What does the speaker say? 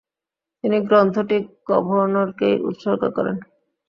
তিনি গ্রন্থটি গভর্নরকেই উৎসর্গ করেন।